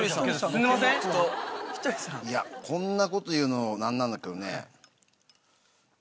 いやこんなこと言うの何なんだけどね。